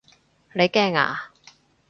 你驚啊？